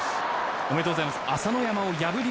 おめでとうございます。